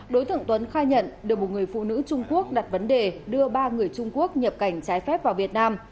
đối tượng tuấn khai nhận được một người phụ nữ trung quốc đặt vấn đề đưa ba người trung quốc nhập cảnh trái phép vào việt nam